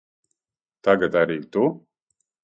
Tagad arī tu?